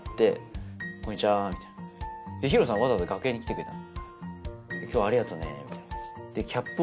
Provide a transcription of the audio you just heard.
わざわざ楽屋に来てくれた今日はありがとねみたいな感じで。